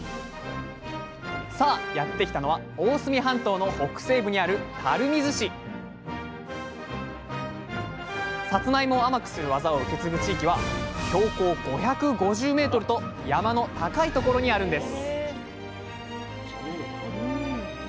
さあやってきたのは大隅半島の北西部にある垂水市さつまいもを甘くする技をうけつぐ地域は標高５５０ｍと山の高い所にあるんです